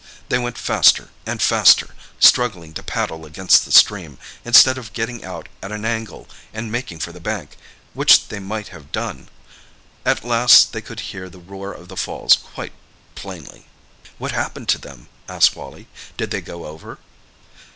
They went faster and faster, struggling to paddle against the stream, instead of getting out at an angle and making for the bank—which they might have done. At last they could hear the roar of the falls quite plainly." "What happened to them?" asked Wally. "Did they go over?"